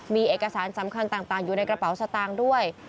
มีเอกสารสำคัญต่างอยู่ในกระเป๋าสตางค์ด้วย